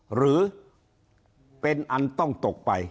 หรือเป็นอันต้องตกไป